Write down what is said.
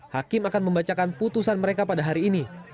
hakim akan membacakan putusan mereka pada hari ini